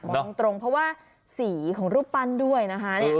มองตรงเพราะว่าสีของรูปปั้นด้วยนะคะ